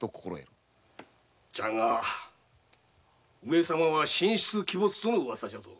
じゃが上様は神出鬼没とのうわさじゃぞ。